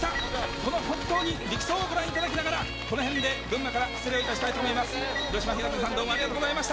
この力走をご覧いただきながら群馬から失礼したいと思います。